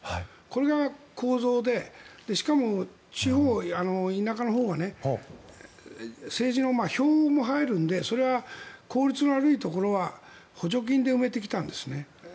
これが構造でしかも地方、田舎のほうは政治の票も入るので効率の悪いところは補助金で埋めてきたんですね。